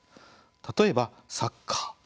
例えば、サッカー。